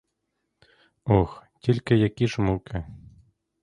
Ох, тільки які ж муки!